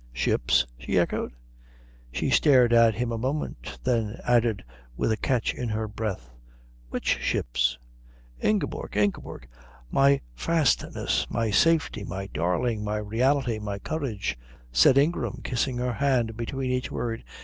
"Ships?" she echoed. She stared at him a moment, then added with a catch in her breath: "Which ships?" "Ingeborg, Ingeborg, my fastness, my safety, my darling, my reality, my courage " said Ingram, kissing her hand between each word.